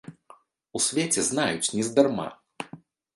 У свеце знаюць нездарма!